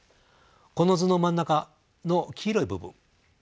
この図の真ん中の黄色い部分。